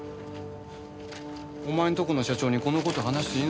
お前のとこの社長にこの事話していいのか？